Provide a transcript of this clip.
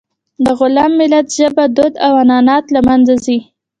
د غلام ملت ژبه، دود او عنعنات له منځه ځي.